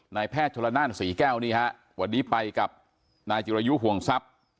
นายแพทย์ชนละนานศรีแก้วนี่ฮะวันนี้ไปกับนายจิรยุห่วงทรัพย์